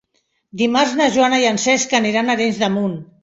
Dimarts na Joana i en Cesc aniran a Arenys de Munt.